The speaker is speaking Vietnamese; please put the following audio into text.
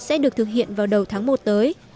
sẽ được thực hiện vào đầu tháng một tới